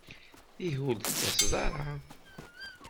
Ihi ur d-tettaseḍ ara?